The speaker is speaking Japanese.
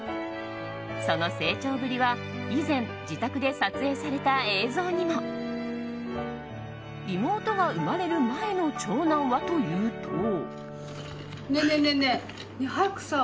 その成長ぶりは以前、自宅で撮影された映像にも。妹が生まれる前の長男はというと。